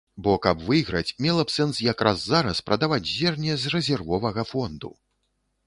Бо каб выйграць, мела б сэнс якраз зараз прадаваць зерне з рэзервовага фонду.